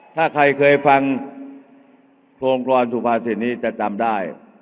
ถ้าใครเคยฟังโครงการสุภาษิตนี้จะจำได้